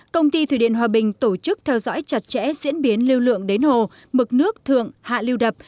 công ty thủy điện hòa bình tổ chức theo dõi chặt chẽ diễn biến lưu lượng đến hồ mực nước thượng hạ lưu đập